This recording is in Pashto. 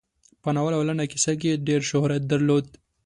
په ناول او لنډه کیسه کې یې ډېر شهرت درلود.